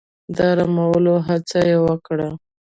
د آرامولو هڅه يې وکړه.